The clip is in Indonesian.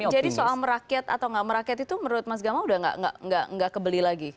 jadi soal meraket atau gak meraket itu menurut mas gama udah gak kebeli lagi